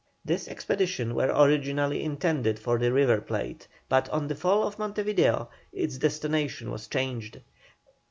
This expedition was originally intended for the River Plate, but on the fall of Monte Video its destination was changed.